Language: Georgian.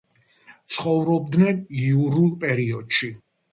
ცხოვრობდნენ იურულ პერიოდში.